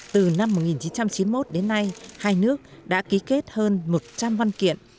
từ năm một nghìn chín trăm chín mươi một đến nay hai nước đã ký kết hơn một trăm linh văn kiện